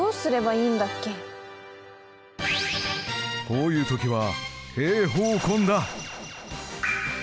こういう時は平方根だ。